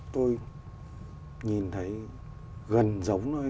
tôi nhìn thấy gần giống với